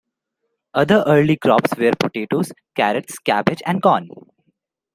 Other early crops were potatoes, carrots, cabbage, and corn.